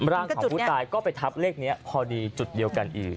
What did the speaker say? ร่างของผู้ตายก็ไปทับเลขนี้พอดีจุดเดียวกันอีก